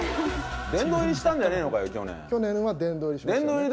殿堂入りしたんじゃねぇのかよ、去年は殿堂入りしました。